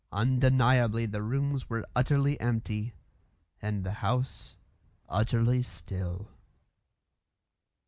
Undeniably the rooms were utterly empty, and the house utterly still.